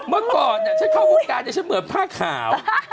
เมื่อก่อนฉันเข้าวงการฉันเหมือนผ้าขาว